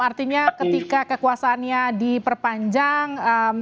artinya ketika kekuasaannya diperpanjang